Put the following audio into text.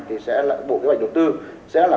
bộ kế hoạch đầu tư sẽ là